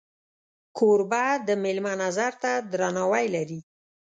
کوربه د میلمه نظر ته درناوی لري.